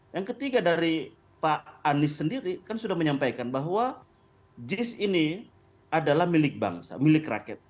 yang ketiga dari pak anies sendiri kan sudah menyampaikan bahwa jis ini adalah milik bangsa milik rakyat